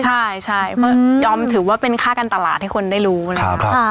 ใช่เพราะยอมถือว่าเป็นค่าการตลาดให้คนได้รู้นะครับ